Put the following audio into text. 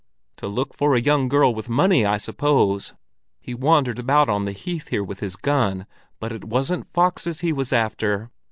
To look for a young girl with money, I suppose. He wandered about on the heath here with his gun, but it wasn't foxes he was after.